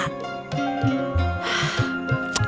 rejeki budak soleh